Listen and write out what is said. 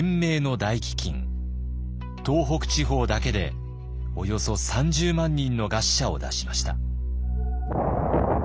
東北地方だけでおよそ３０万人の餓死者を出しました。